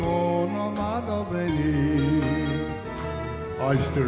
「愛してる」。